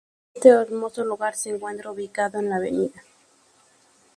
Este hermoso lugar se encuentra ubicado en la Av.